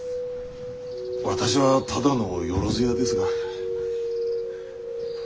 私はただのよろず屋ですが。